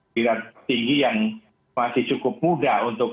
tidak tinggi yang masih cukup muda untuk